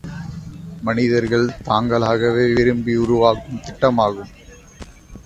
மனிதர்கள் தாங்களாகவே விரும்பி உருவாக்கும் திட்டமாகும்.